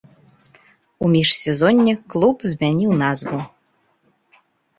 У міжсезонне клуб змяніў назву.